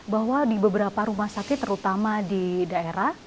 bahwa di beberapa rumah sakit terutama di daerah